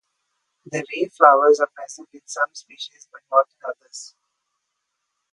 The ray flowers are present in some species but not in others.